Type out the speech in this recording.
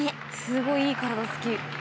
すごいいい体つき。